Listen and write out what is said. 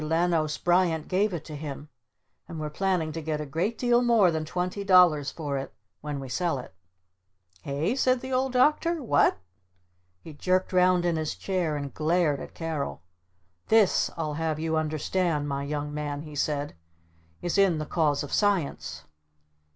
Lanos Bryant gave it to him. And we're planning to get a great deal more than twenty dollars for it when we sell it!" "Eh?" said the Old Doctor. "What?" He jerked round in his chair and glared at Carol. "This I'll have you understand, my Young Man," he said, "is in the cause of Science!"